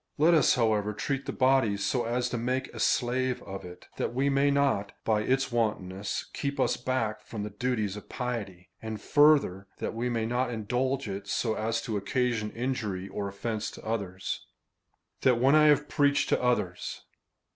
Let us, however, treat the body so as to make a slave of it,^ that it may not, by its wantonness, keep us back from the duties of piety ; and farther, that we may not indulge it, so as to occasion injury, or oifence, to others. That, when I have preached to others.